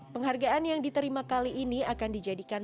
penghargaan yang diterima kali ini akan dijadikan